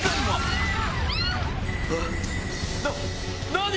何⁉